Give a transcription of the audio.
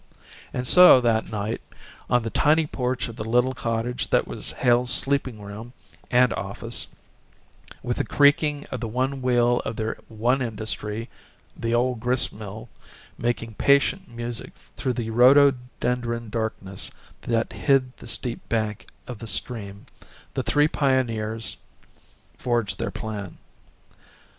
And so, that night, on the tiny porch of the little cottage that was Hale's sleeping room and office, with the creaking of the one wheel of their one industry the old grist mill making patient music through the rhododendron darkness that hid the steep bank of the stream, the three pioneers forged their plan.